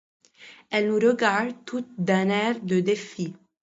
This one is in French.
Elle nous regarde toutes d’un air de défi.